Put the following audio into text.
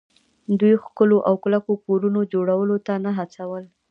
دوی ښکلو او کلکو کورونو جوړولو ته نه هڅول